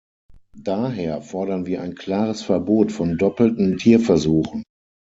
Daher fordern wir ein klares Verbot von doppelten Tierversuchen.